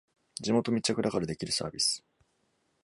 地元密着だからできるサービス